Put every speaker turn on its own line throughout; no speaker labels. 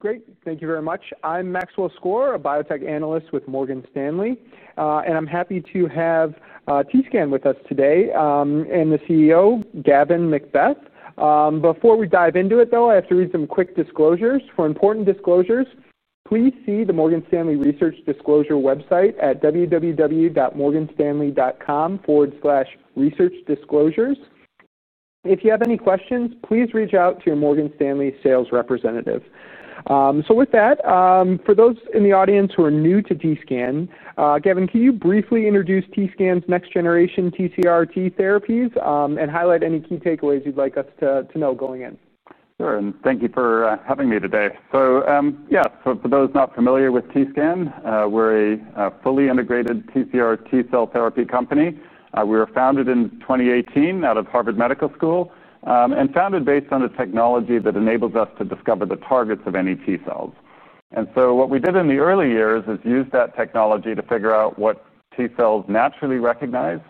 Great. Thank you very much. I'm Maxwell Skor, a biotech analyst with Morgan Stanley. I'm happy to have TScan with us today and the CEO, Gavin McBeth. Before we dive into it, I have to read some quick disclosures. For important disclosures, please see the Morgan Stanley Research Disclosure website at www.morganstanley.com/researchdisclosures. If you have any questions, please reach out to your Morgan Stanley sales representative. For those in the audience who are new to TScan, Gavin, can you briefly introduce TScan's next-generation TCR-T therapies and highlight any key takeaways you'd like us to know going in?
Sure. Thank you for having me today. For those not familiar with TScan Therapeutics, we're a fully integrated TCR-T cell therapy company. We were founded in 2018 out of Harvard Medical School and founded based on the technology that enables us to discover the targets of any T cells. What we did in the early years is use that technology to figure out what T cells naturally recognize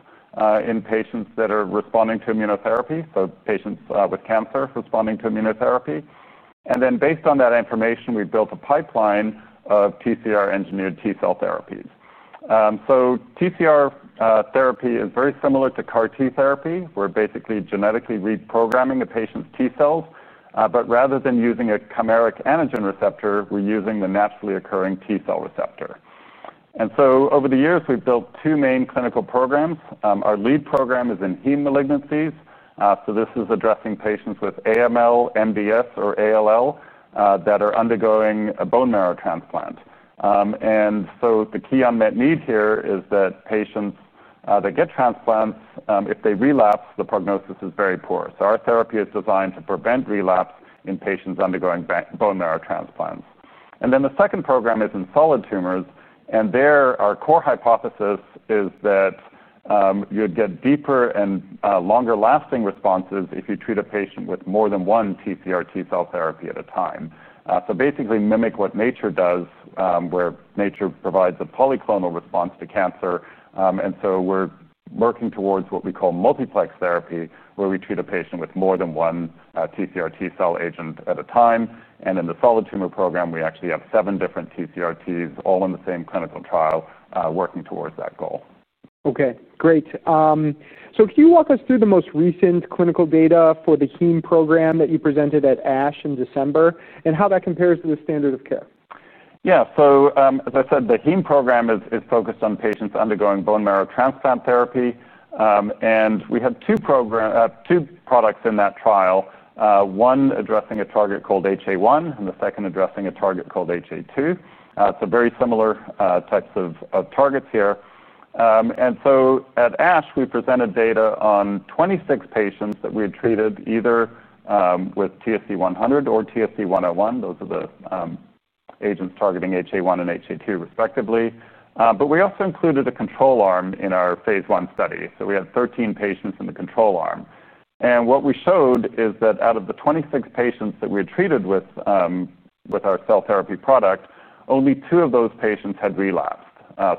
in patients that are responding to immunotherapy, patients with cancer responding to immunotherapy. Based on that information, we built a pipeline of TCR-engineered T cell therapies. TCR therapy is very similar to CAR-T therapy. We're basically genetically reprogramming a patient's T cells. Rather than using a chimeric antigen receptor, we're using the naturally occurring T cell receptor. Over the years, we've built two main clinical programs. Our lead program is in hematologic malignancies. This is addressing patients with AML, MDS, or ALL that are undergoing a bone marrow transplant. The key unmet need here is that patients that get transplants, if they relapse, the prognosis is very poor. Our therapy is designed to prevent relapse in patients undergoing bone marrow transplants. The second program is in solid tumors. Our core hypothesis is that you'd get deeper and longer-lasting responses if you treat a patient with more than one TCR-T cell therapy at a time. Basically, mimic what nature does, where nature provides a polyclonal response to cancer. We're working towards what we call multiplex therapy, where we treat a patient with more than one TCR-T cell agent at a time. In the solid tumor program, we actually have seven different TCR-Ts all in the same clinical trial working towards that goal.
Okay, great. Can you walk us through the most recent clinical data for the heme program that you presented at ASH in December and how that compares to the standard-of-care?
Yeah. As I said, the heme program is focused on patients undergoing bone marrow transplant therapy. We had two products in that trial, one addressing a target called HA-1 and the second addressing a target called HA-2. Very similar types of targets here. At ASH, we presented data on 26 patients that we had treated either with TSC-100 or TSC-101. Those are the agents targeting HA-1 and HA-2, respectively. We also included a control arm in our Phase I study. We had 13 patients in the control arm. What we showed is that out of the 26 patients that we had treated with our cell therapy product, only two of those patients had relapsed,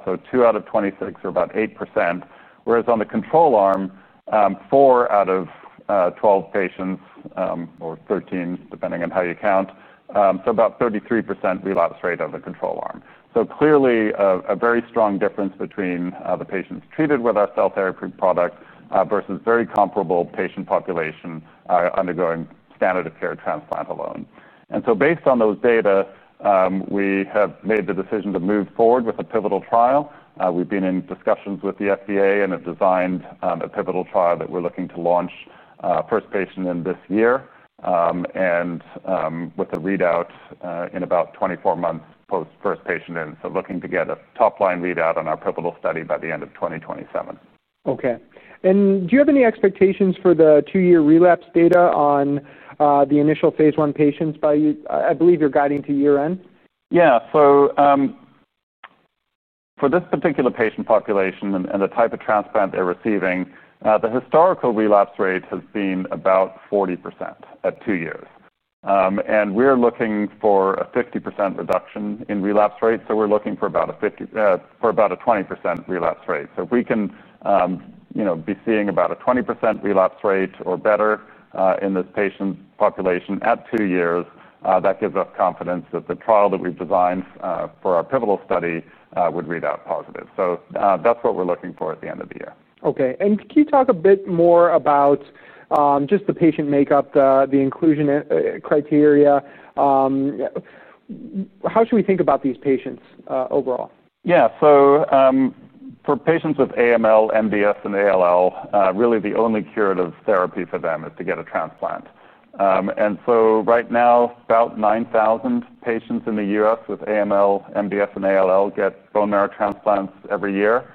so 2 out of 26 or about 8%. On the control arm, 4 out of 12 patients or 13, depending on how you count, so about 33% relapse rate on the control arm. Clearly, a very strong difference between the patients treated with our cell therapy product versus a very comparable patient population undergoing standard-of-care transplant alone. Based on those data, we have made the decision to move forward with a pivotal trial. We've been in discussions with the FDA and have designed a pivotal trial that we're looking to launch first patient in this year and with a readout in about 24 months post first patient in. Looking to get a top-line readout on our pivotal study by the end of 2027.
Okay. Do you have any expectations for the two-year relapse data on the initial Phase I patients by, I believe, you're guiding to year end?
For this particular patient population and the type of transplant they're receiving, the historical relapse rate has been about 40% at two years. We're looking for a 50% reduction in relapse rates, so we're looking for about a 20% relapse rate. If we can be seeing about a 20% relapse rate or better in the patient population at two years, that gives us confidence that the trial that we've designed for our pivotal study would read out positive. That's what we're looking for at the end of the year.
Okay. Can you talk a bit more about just the patient makeup, the inclusion criteria? How should we think about these patients overall?
Yeah. For patients with AML, MDS, and ALL, really the only curative therapy for them is to get a transplant. Right now, about 9,000 patients in the U.S. with AML, MDS, and ALL get bone marrow transplants every year.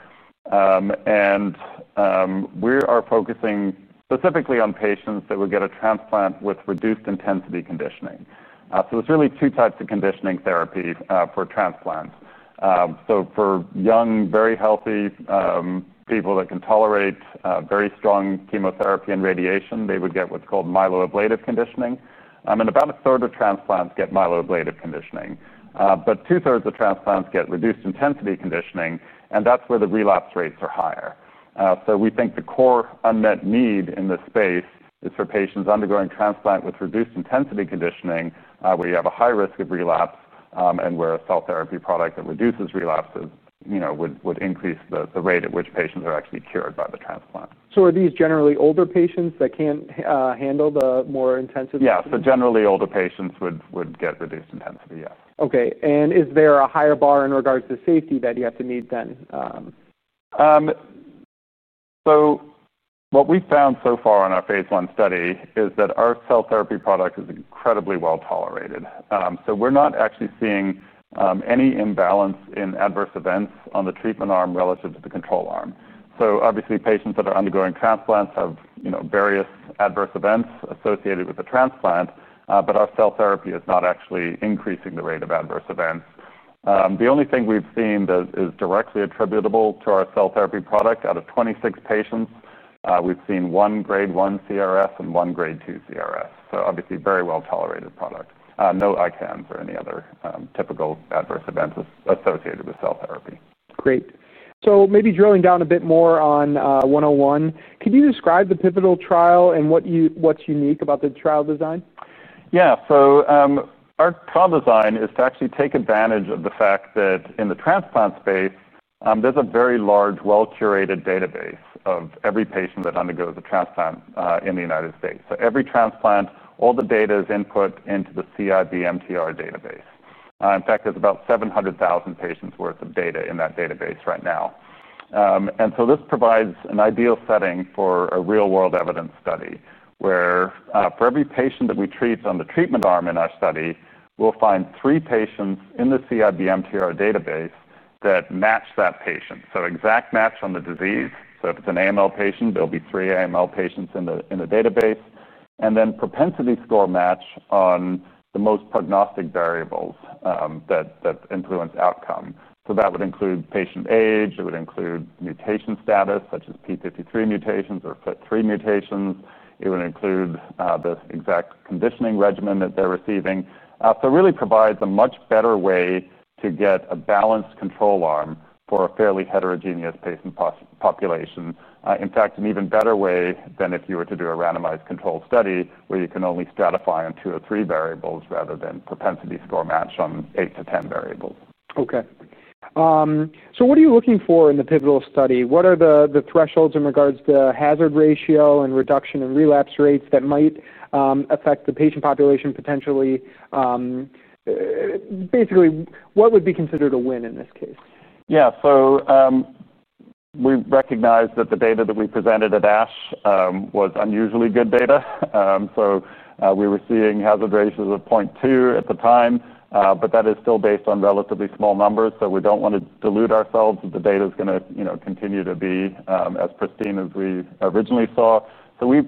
We are focusing specifically on patients that will get a transplant with reduced intensity conditioning. There are really two types of conditioning therapy for transplant. For young, very healthy people that can tolerate very strong chemotherapy and radiation, they would get what's called myeloablative conditioning. About 1/3 of transplants get myeloablative conditioning. Two thirds of transplants get reduced intensity conditioning, and that's where the relapse rates are higher. We think the core unmet need in this space is for patients undergoing transplant with reduced intensity conditioning, where you have a high risk of relapse and where a cell therapy product that reduces relapses would increase the rate at which patients are actually cured by the transplant.
Are these generally older patients that can't handle the more intensive?
Yeah, generally, older patients would get reduced intensity, yes.
Is there a higher bar in regard to safety that you have to meet then?
What we found so far in our Phase I study is that our cell therapy product is incredibly well tolerated. We're not actually seeing any imbalance in adverse events on the treatment arm relative to the control arm. Obviously, patients that are undergoing transplants have various adverse events associated with the transplant, but our cell therapy is not actually increasing the rate of adverse events. The only thing we've seen that is directly attributable to our cell therapy product out of 26 patients, we've seen one grade I CRS and one grade II CRS. Obviously, very well tolerated product. No ICANs or any other typical adverse events associated with cell therapy.
Great. Maybe drilling down a bit more on 101, can you describe the pivotal trial and what's unique about the trial design?
Yeah. Our trial design is to actually take advantage of the fact that in the transplant space, there's a very large, well-curated database of every patient that undergoes a transplant in the United States. Every transplant, all the data is input into the CIBMTR database. In fact, there's about 700,000 patients' worth of data in that database right now. This provides an ideal setting for a real-world evidence study, where for every patient that we treat on the treatment arm in our study, we'll find three patients in the CIBMTR database that match that patient. Exact match on the disease. If it's an AML patient, there will be three AML patients in the database. Then propensity score match on the most prognostic variables that influence outcome. That would include patient age. It would include mutation status, such as p53 mutations or FLT3 mutations. It would include the exact conditioning regimen that they're receiving. It really provides a much better way to get a balanced control arm for a fairly heterogeneous patient population. In fact, an even better way than if you were to do a randomized controlled study, where you can only stratify on two or three variables rather than propensity score match on 8-10 variables.
Okay. What are you looking for in the pivotal study? What are the thresholds in regards to hazard ratio and reduction in relapse rates that might affect the patient population potentially? Basically, what would be considered a win in this case?
Yeah. We recognize that the data that we presented at ASH was unusually good data. We were seeing hazard ratios of 0.2 at the time. That is still based on relatively small numbers. We do not want to dilute ourselves if the data is going to continue to be as pristine as we originally saw. We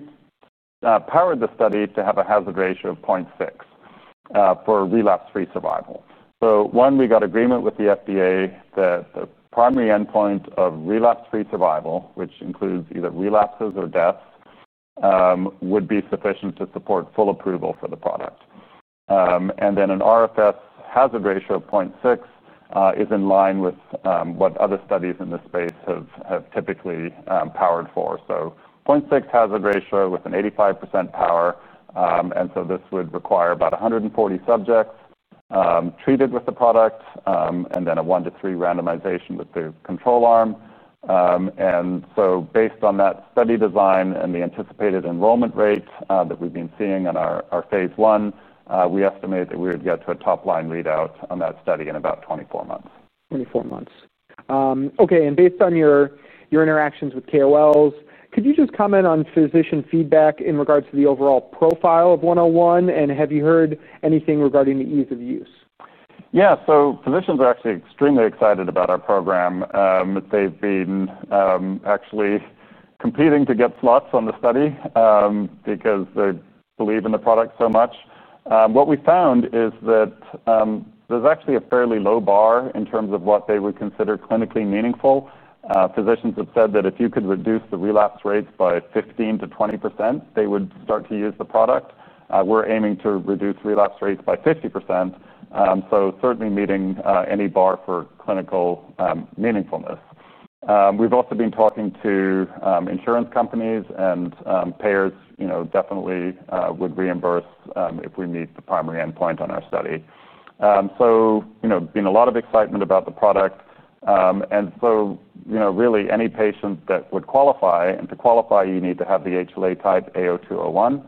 powered the study to have a hazard ratio of 0.6 for relapse-free survival. We got agreement with the FDA that the primary endpoint of relapse-free survival, which includes either relapses or deaths, would be sufficient to support full approval for the product. An RFS hazard ratio of 0.6 is in line with what other studies in this space have typically powered for. A 0.6 hazard ratio with an 85% power would require about 140 subjects treated with the product and a 1-3 randomization with the control arm. Based on that study design and the anticipated enrollment rate that we've been seeing in our Phase I, we estimate that we would get to a top-line readout on that study in about 24 months.
Okay. Based on your interactions with KOLs, could you just comment on physician feedback in regards to the overall profile of TSC-101? Have you heard anything regarding the ease of use?
Yeah. Physicians are actually extremely excited about our program. They've been actually competing to get slots on the study because they believe in the product so much. What we found is that there's actually a fairly low bar in terms of what they would consider clinically meaningful. Physicians have said that if you could reduce the relapse rates by 15%-20%, they would start to use the product. We're aiming to reduce relapse rates by 50%. Certainly meeting any bar for clinical meaningfulness. We've also been talking to insurance companies. Payers definitely would reimburse if we meet the primary endpoint on our study. There's been a lot of excitement about the product. Really, any patient that would qualify, and to qualify, you need to have the HLA type A0201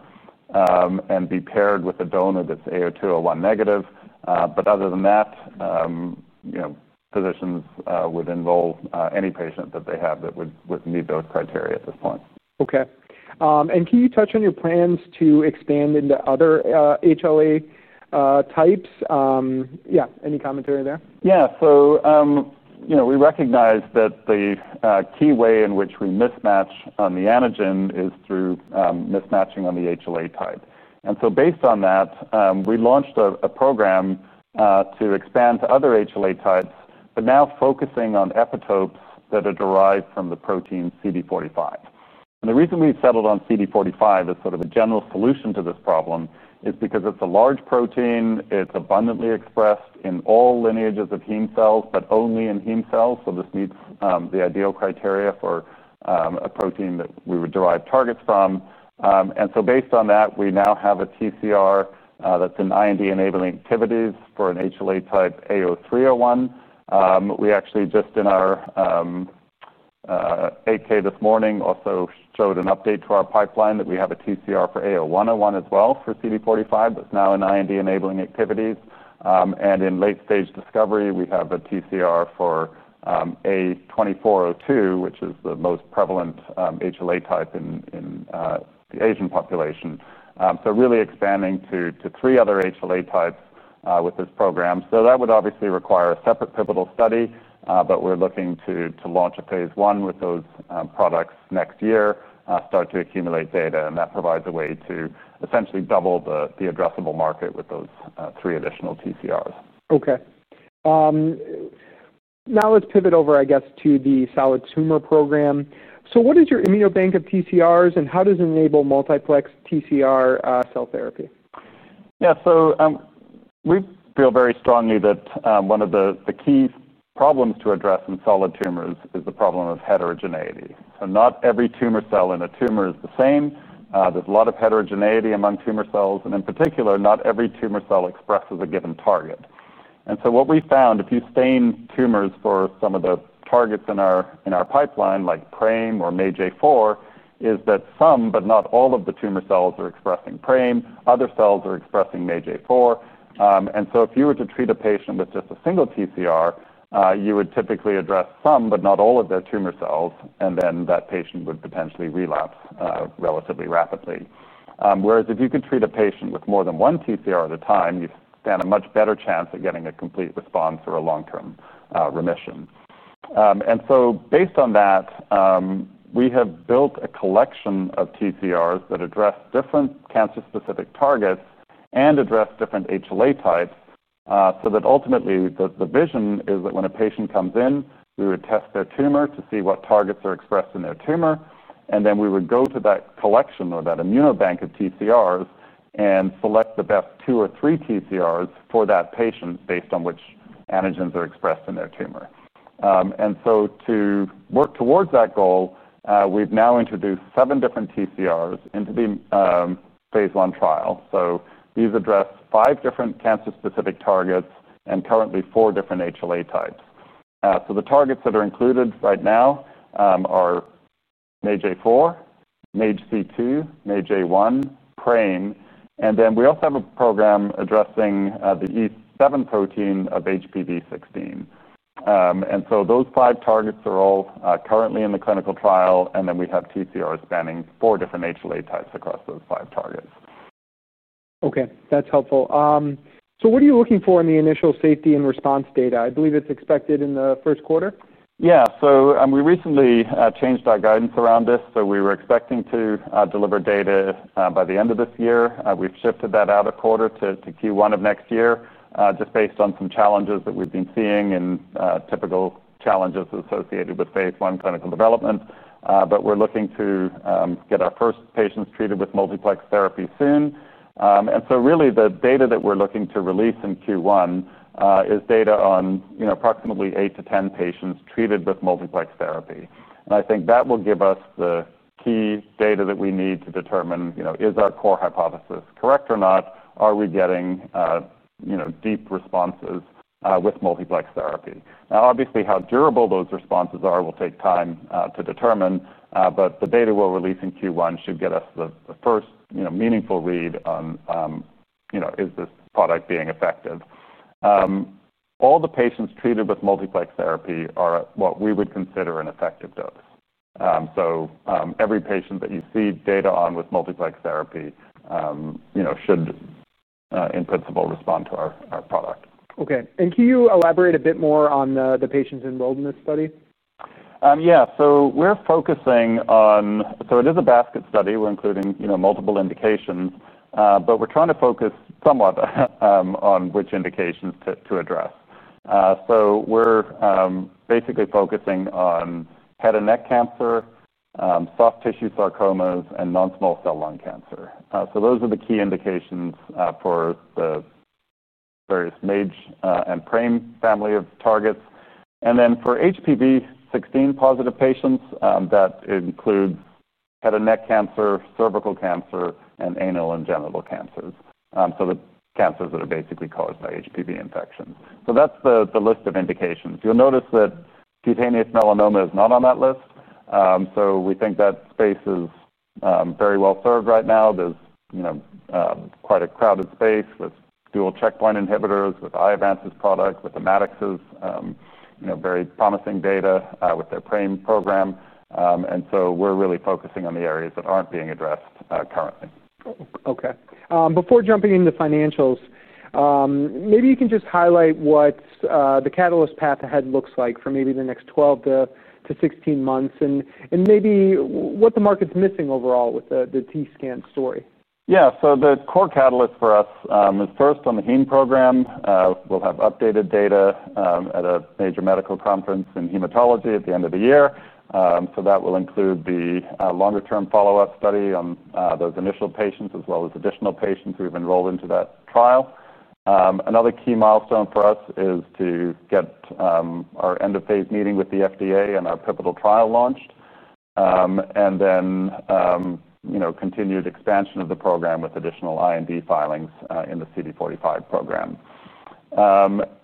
and be paired with a donor that's A0201 negative. Other than that, physicians would enroll any patient that they have that would meet those criteria at this point.
Okay. Can you touch on your plans to expand into other HLA types? Yeah, any commentary there?
Yeah. We recognize that the key way in which we mismatch on the antigen is through mismatching on the HLA type. Based on that, we launched a program to expand to other HLA types, now focusing on epitopes that are derived from the protein CD45. The reason we've settled on CD45 as sort of a general solution to this problem is because it's a large protein. It's abundantly expressed in all lineages of heme cells, but only in heme cells. This meets the ideal criteria for a protein that we would derive targets from. Based on that, we now have a TCR that's in IND-enabling activities for an HLA type A0301. We actually, just in our 8K this morning, also showed an update to our pipeline that we have a TCR for A0101 as well for CD45, now in IND-enabling activities. In late-stage discovery, we have a TCR for A2402, which is the most prevalent HLA type in the Asian population. We are really expanding to three other HLA types with this program. That would obviously require a separate pivotal study. We are looking to launch a Phase I with those products next year, start to accumulate data. That provides a way to essentially double the addressable market with those three additional TCRs.
Okay. Now let's pivot over, I guess, to the solid tumor program. What is your ImmunoBank of TCRs, and how does it enable multiplex TCR cell therapy?
Yeah. We feel very strongly that one of the key problems to address in solid tumors is the problem of heterogeneity. Not every tumor cell in a tumor is the same. There is a lot of heterogeneity among tumor cells. In particular, not every tumor cell expresses a given target. What we found, if you stain tumors for some of the targets in our pipeline, like PRAME or MAGE-A4, is that some, but not all, of the tumor cells are expressing PRAME. Other cells are expressing MAGE-A4. If you were to treat a patient with just a single TCR, you would typically address some, but not all, of their tumor cells. That patient would potentially relapse relatively rapidly. If you could treat a patient with more than one TCR at a time, you would stand a much better chance of getting a complete response or a long-term remission. Based on that, we have built a collection of TCRs that address different cancer-specific targets and address different HLA types so that ultimately, the vision is that when a patient comes in, we would test their tumor to see what targets are expressed in their tumor. We would go to that collection or that ImmunoBank of TCRs and select the best two or three TCRs for that patient based on which antigens are expressed in their tumor. To work towards that goal, we have now introduced seven different TCRs into the Phase I trial. These address five different cancer-specific targets and currently four different HLA types. The targets that are included right now are MAGE-A4, MAGE-C2, MAGE-A1, PRAME, and we also have a program addressing the E7 protein of HPV16. Those five targets are all currently in the clinical trial. We have TCRs spanning four different HLA types across those five targets.
That's helpful. What are you looking for in the initial safety and response data? I believe it's expected in the first quarter?
Yeah. We recently changed our guidance around this. We were expecting to deliver data by the end of this year. We've shifted that out a quarter to Q1 of next year just based on some challenges that we've been seeing and typical challenges associated with Phase I clinical development. We're looking to get our first patients treated with multiplex therapy soon. The data that we're looking to release in Q1 is data on approximately 8-10 patients treated with multiplex therapy. I think that will give us the key data that we need to determine, is our core hypothesis correct or not? Are we getting deep responses with multiplex therapy? Obviously, how durable those responses are will take time to determine. The data we'll release in Q1 should get us the first meaningful read on, is this product being effective? All the patients treated with multiplex therapy are what we would consider an effective dose. Every patient that you see data on with multiplex therapy should, in principle, respond to our product.
Okay. Can you elaborate a bit more on the patients enrolled in this study?
Yeah. We're focusing on, it is a basket study. We're including multiple indications, but we're trying to focus somewhat on which indications to address. We're basically focusing on head and neck cancer, soft tissue sarcomas, and non-small cell lung cancer. Those are the key indications for the various MAGE and PRAME family of targets. For HPV16 positive patients, that includes head and neck cancer, cervical cancer, and anal and genital cancers, the cancers that are basically caused by HPV infection. That's the list of indications. You'll notice that cutaneous melanoma is not on that list. We think that space is very well served right now. There's quite a crowded space with dual checkpoint inhibitors, with Iovance's product, with the MADx's very promising data with their PRAME program. We're really focusing on the areas that aren't being addressed currently.
Okay. Before jumping into financials, maybe you can just highlight what the catalyst path ahead looks like for maybe the next 12-16 months and maybe what the market's missing overall with the TScan story.
Yeah. The core catalyst for us is first on the heme program. We'll have updated data at a major medical conference in hematology at the end of the year. That will include the longer-term follow-up study on those initial patients as well as additional patients we've enrolled into that trial. Another key milestone for us is to get our end-of-phase meeting with the FDA and our pivotal trial launched, then continued expansion of the program with additional IND filings in the CD45 program.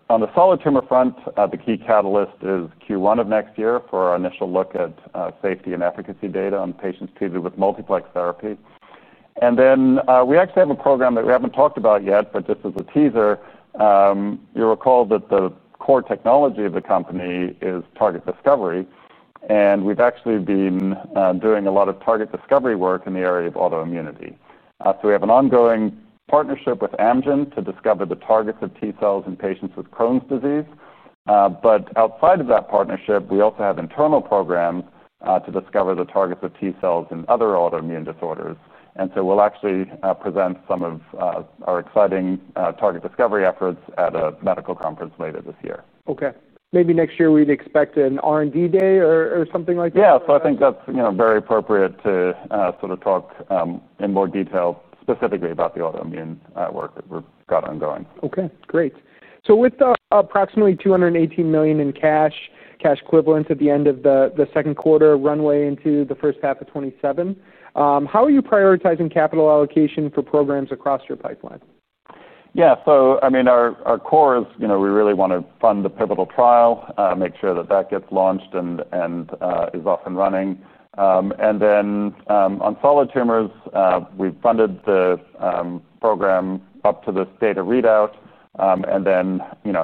On the solid tumor front, the key catalyst is Q1 of next year for our initial look at safety and efficacy data on patients treated with multiplex therapy. We actually have a program that we haven't talked about yet. Just as a teaser, you'll recall that the core technology of the company is target discovery. We've actually been doing a lot of target discovery work in the area of autoimmunity. We have an ongoing partnership with Amgen to discover the targets of T cells in patients with Crohn’s disease. Outside of that partnership, we also have internal programs to discover the targets of T cells in other autoimmune disorders. We'll actually present some of our exciting target discovery efforts at a medical conference later this year.
Okay. Maybe next year, we'd expect an R&D day or something like that.
Yeah, I think that's very appropriate to sort of talk in more detail specifically about the autoimmune work that we've got ongoing.
Okay, great. With approximately $218 million in cash and cash equivalents at the end of the second quarter, and runway into the first half of 2027, how are you prioritizing capital allocation for programs across your pipeline?
Our core is we really want to fund the pivotal trial, make sure that that gets launched and is up and running. On solid tumors, we've funded the program up to this data readout.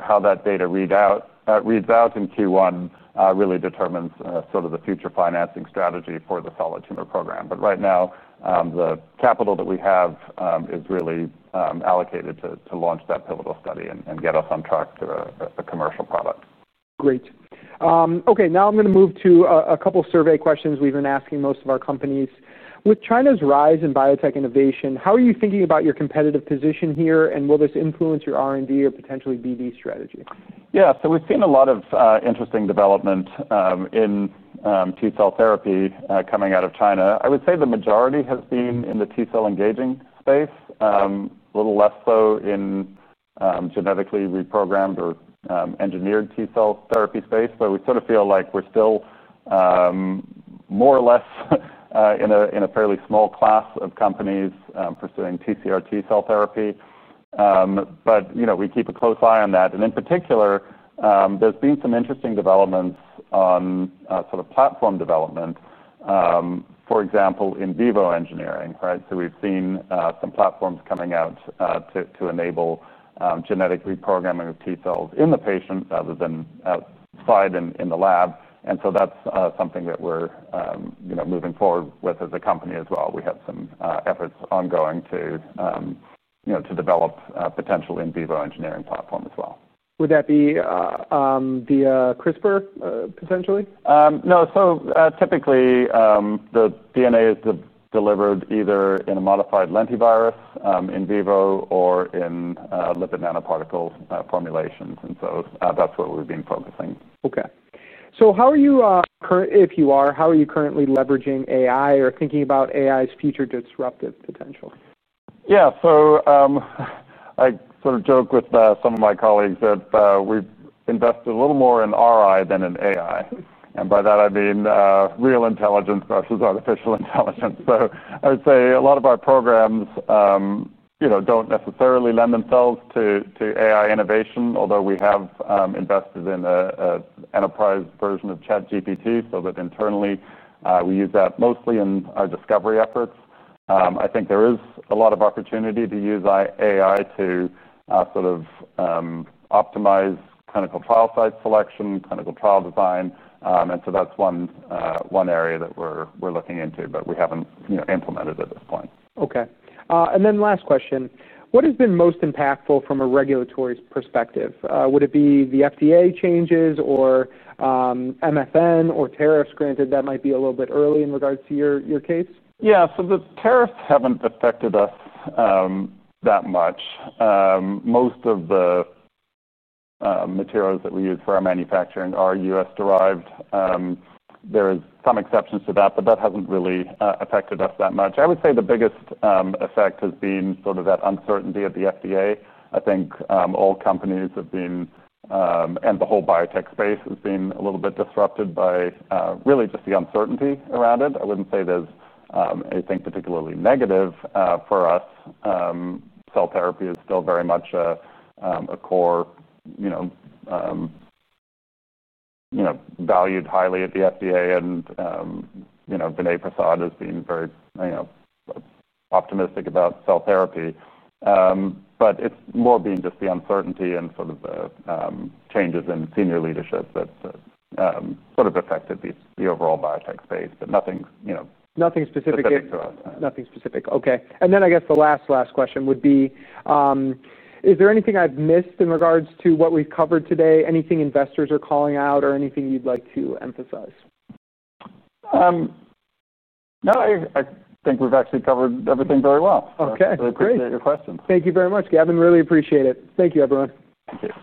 How that data reads out in Q1 really determines sort of the future financing strategy for the solid tumor program. Right now, the capital that we have is really allocated to launch that pivotal study and get us on track through a commercial product.
Great. Okay. Now I'm going to move to a couple of survey questions we've been asking most of our companies. With China's rise in biotech innovation, how are you thinking about your competitive position here? Will this influence your R&D or potentially BD strategy?
Yeah. We've seen a lot of interesting development in T cell therapy coming out of China. I would say the majority has been in the T cell engaging space, a little less so in genetically reprogrammed or engineered T cell therapy space. We sort of feel like we're still more or less in a fairly small class of companies pursuing TCR-T cell therapy. We keep a close eye on that. In particular, there's been some interesting developments on platform development, for example, in vivo engineering. We've seen some platforms coming out to enable genetic reprogramming of T cells in the patient rather than outside in the lab. That's something that we're moving forward with as a company as well. We have some efforts ongoing to develop a potential in vivo engineering platform as well.
Would that be via CRISPR, potentially?
No. Typically, the DNA is delivered either in a modified lentivirus in vivo or in lipid nanoparticle formulations. That's what we've been focusing.
How are you, if you are, how are you currently leveraging AI or thinking about AI's future disruptive potential?
Yeah. I sort of joke with some of my colleagues that we invest a little more in RI than in AI. By that, I mean real intelligence versus artificial intelligence. I would say a lot of our programs don't necessarily lend themselves to AI innovation, although we have invested in an enterprise version of ChatGPT so that internally, we use that mostly in our discovery efforts. I think there is a lot of opportunity to use AI to sort of optimize clinical trial site selection, clinical trial design. That is one area that we're looking into, but we haven't implemented at this point.
Okay. Last question, what has been most impactful from a regulatory perspective? Would it be the FDA changes or MFN or tariffs? Granted, that might be a little bit early in regards to your case.
Yeah. The tariffs haven't affected us that much. Most of the materials that we use for our manufacturing are U.S.-derived. There are some exceptions to that, but that hasn't really affected us that much. I would say the biggest effect has been that uncertainty at the FDA. I think all companies have been, and the whole biotech space has been, a little bit disrupted by really just the uncertainty around it. I wouldn't say there's anything particularly negative for us. Cell therapy is still very much a core valued highly at the FDA. Vinay Prasad has been very optimistic about cell therapy. It's more been just the uncertainty and the changes in senior leadership that affected the overall biotech space. Nothing specific.
Nothing specific. OK. I guess the last, last question would be, is there anything I've missed in regards to what we've covered today? Anything investors are calling out or anything you'd like to emphasize?
No, I think we've actually covered everything very well.
Okay.
I appreciate your questions.
Thank you very much, Gavin. Really appreciate it. Thank you, everyone.
Thank you.